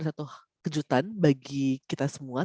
pertama terkait bahwa g tujuh akan merespon